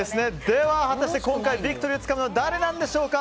では、果たして今回ビクトリーをつかむのは誰なんでしょうか。